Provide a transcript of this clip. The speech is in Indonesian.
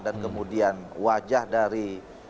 dan kemudian wajah dari